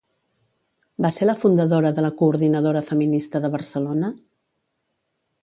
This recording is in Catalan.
Va ser la fundadora de la Coordinadora Feminista de Barcelona?